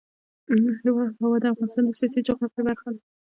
هوا د افغانستان د سیاسي جغرافیه برخه ده.